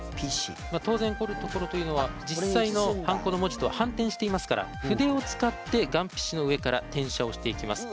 当然、彫るところというのは実際のハンコの文字と反転していますから筆を使って、がん皮紙の上から転写をしていきます。